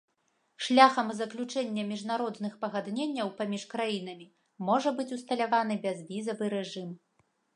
Шляхам заключэння міжнародных пагадненняў паміж краінамі можа быць усталяваны бязвізавы рэжым.